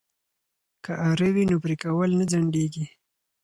که اره وي نو پرې کول نه ځنډیږي.